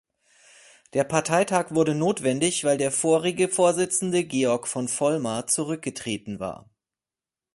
Der Parteitag wurde notwendig, weil der vorige Vorsitzende Georg von Vollmar zurückgetreten war.